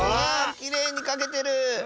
きれいにかけてる！